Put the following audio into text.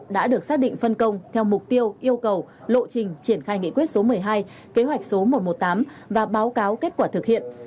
đã được xác định phân công theo mục tiêu yêu cầu lộ trình triển khai nghị quyết số một mươi hai kế hoạch số một trăm một mươi tám và báo cáo kết quả thực hiện